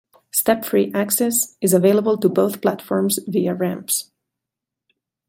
Step-free access is available to both platforms via ramps.